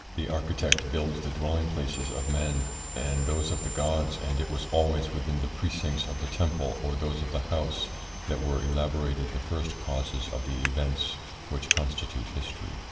The architect builds the dwelling places of men and those of the gods, and it was always within the precincts of the temple or those of the house that were elaborated the first causes of the events which constitute history.